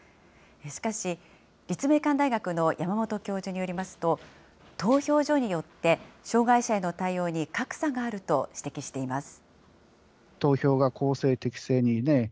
しかし、立命館大学の山本教授によりますと、投票所によって障害者への対応に格差があると指摘しています。